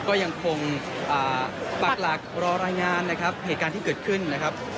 ก็ยังคงปักหลักรอรายงานนะครับเหตุการณ์ที่เกิดขึ้นนะครับ